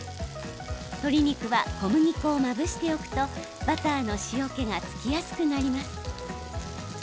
鶏肉は小麦粉をまぶしておくとバターの塩けが付きやすくなります。